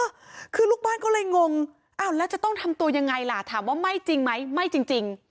คือลูกบ้านก็เลยงงอ้าวแล้วจะต้องทำตัวยังไงล่ะถามว่าไม่จริงไหมไม่จริงจริง